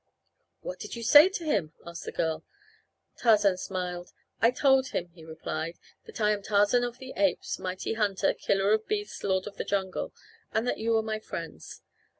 "What did you say to him?" asked the girl. Tarzan smiled. "I told him," he replied, "that I am Tarzan of the Apes, mighty hunter, killer of beasts, lord of the jungle, and that you are my friends.